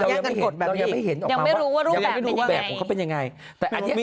แยกกันกฎแบบนี้ยังไม่รู้ว่ารูปแบบเป็นยังไง